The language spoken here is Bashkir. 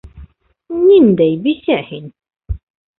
Ниндәй бисә һин!